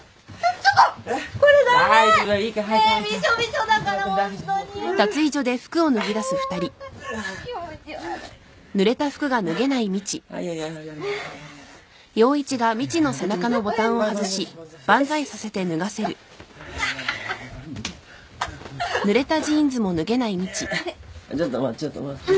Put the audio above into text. ちょっと待ってちょっと待って。